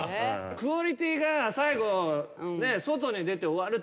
クオリティーが最後ね外に出て終わるって。